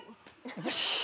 よし！